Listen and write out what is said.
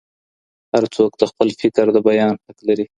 هر څوک د خپل فکر د بیان حق لري.